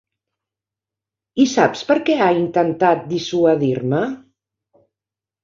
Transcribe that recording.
I saps per què ha intentat dissuadir-me?